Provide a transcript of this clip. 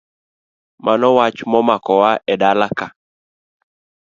Mano wach momako wa edalaka.